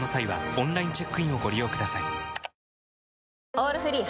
「オールフリー」